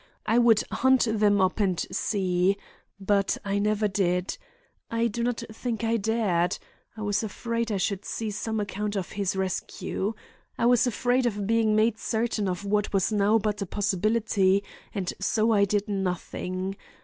I would hunt them up and see—but I never did. I do not think I dared. I was afraid I should see some account of his rescue. I was afraid of being made certain of what was now but a possibility, and so I did nothing.